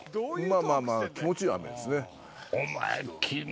まぁまぁ気持ちいい雨ですね。